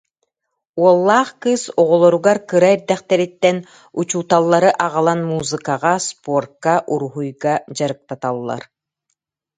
Уоллаах кыыс оҕолоругар кыра эрдэхтэриттэн учууталлары аҕалан музыкаҕа, спорка, уруһуйга дьарыктаталлар